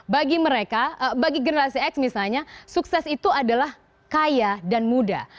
bagi mereka bagi generasi x misalnya sukses itu adalah kaya dan muda